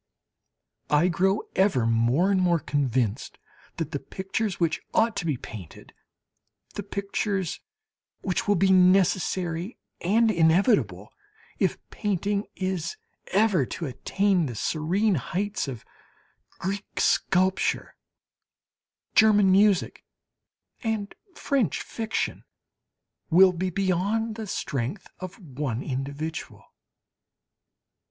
I grow ever more and more convinced that the pictures which ought to be painted, the pictures which will be necessary and inevitable if painting is ever to attain to the serene heights of Greek sculpture, German music and French fiction, will be beyond the strength of one individual.